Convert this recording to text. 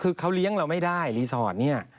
คือเขาเลี้ยงเราไม่ได้รีสอร์ทเนี่ย